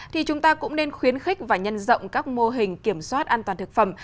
thì chúng ta cũng nên khuyến khích và nhân rộng các mô hình kiểm soát an toàn thực phẩm